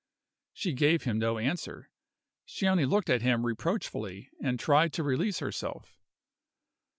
She gave him no answer; she only looked at him reproachfully, and tried to release herself.